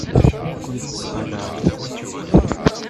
Ur kent-ttqadareɣ.